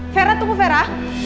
vera tunggu vera